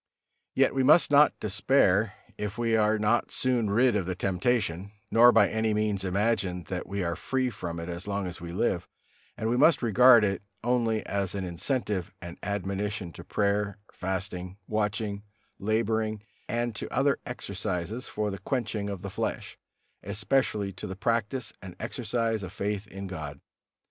Yet we must not despair if we are not soon rid of the temptation, nor by any means imagine that we are free from it as long as we live, and we must regard it only as an incentive and admonition to prayer, fasting, watching, laboring, and to other exercises for the quenching of the flesh, especially to the practice and exercise of faith in God.